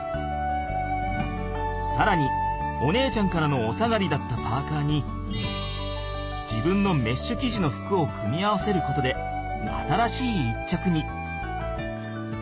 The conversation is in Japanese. さらにお姉ちゃんからのお下がりだったパーカーに自分のメッシュきじの服を組み合わせることで新しい一着に！